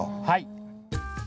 はい。